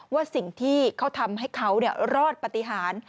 ว่าสิ่งที่เขาทำให้เขารอดปฏิหาร